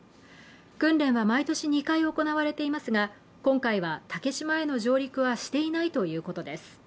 訓練は毎年２回行われていますが、今回は竹島への上陸はしていないということです。